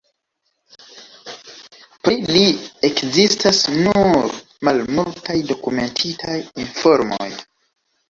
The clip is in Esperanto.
Pri li ekzistas nur malmultaj dokumentitaj informoj.